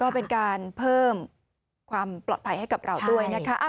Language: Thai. ก็เป็นการเพิ่มความปลอดภัยให้กับเราด้วยนะคะ